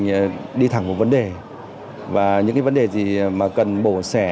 mình đi thẳng một vấn đề và những vấn đề gì mà cần bổ sẻ